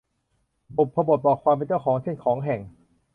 บุพบทบอกความเป็นเจ้าของ เช่น ของ แห่ง